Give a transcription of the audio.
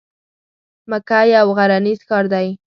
مکه یو غرنیز ښار دی.